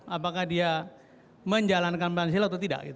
apakah dia menjalankan pancasila atau tidak